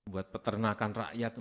buat peternakan rakyat